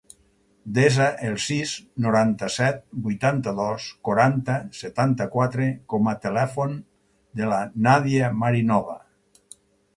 Desa el sis, noranta-set, vuitanta-dos, quaranta, setanta-quatre com a telèfon de la Nàdia Marinova.